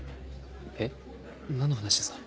え何の話ですか？